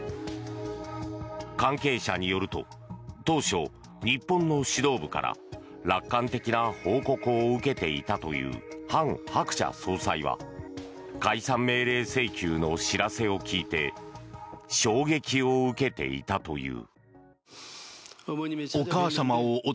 関係者によると当初、日本の指導部から楽観的な報告を受けていたというハン・ハクチャ総裁は解散命令請求の知らせを聞いて衝撃を受けていたという。